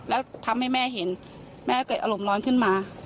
แล้วทำให้แม่เห็นแม่เกิดอารมณ์ร้อนขึ้นมา